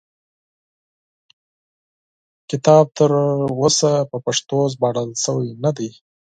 کتاب تر اوسه په پښتو ژباړل شوی نه دی.